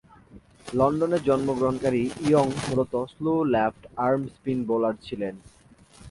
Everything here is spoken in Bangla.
লন্ডনে জন্মগ্রহণকারী ইয়ং মূলতঃ স্লো লেফট-আর্ম স্পিন বোলার ছিলেন।